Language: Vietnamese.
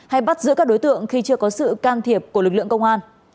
hay bắt giữ các đối tượng khi chưa có sự can thiệp của lực lượng công an